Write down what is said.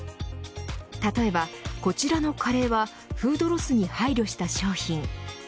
例えば、こちらのカレーはフードロスに配慮した商品。